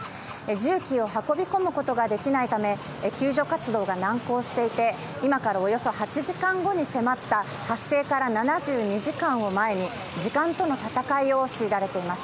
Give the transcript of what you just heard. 重機を運び込むことができないため救助活動が難航していて今からおよそ８時間後に迫った発生から７２時間を前に時間との戦いを強いられています。